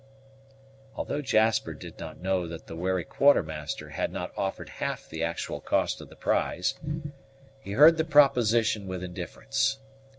Although Jasper did not know that the wary Quartermaster had not offered half the actual cost of the prize, he heard the proposition with indifference.